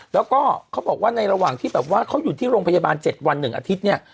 แล้วก็เขาบอกว่าในระหว่างที่แบบว่าเขาอยู่ที่โรงพยาบาล๗วัน๑อาทิตย์เนี่ย